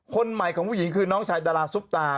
คนใหม่ของผู้หญิงคือน้องชายดาราซุปตา